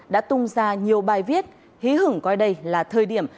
đã tung ra nhiều bài viết hí hứng coi đây là thời điểm